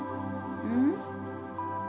うん？